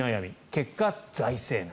結果、財政難。